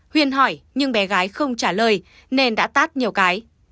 huyền hỏi nhưng bé gái không trả lời nên đã tát nhiều cái